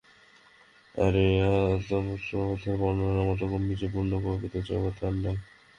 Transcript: আর এই আত্মতত্ত্বের বর্ণনার মত গাম্ভীর্যপূর্ণ কবিতা জগতে আর নাই।